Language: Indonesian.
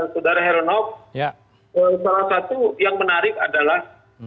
saudara heronok salah satu yang menarik adalah